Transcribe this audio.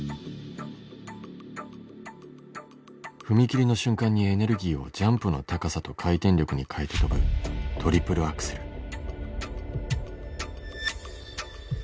踏み切りの瞬間にエネルギーをジャンプの高さと回転力に変えて跳ぶトリプルアクセル。